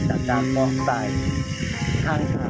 ก็จะไปสร้างแรงบันไดของจัดการของคนที่ใจและใครของเรา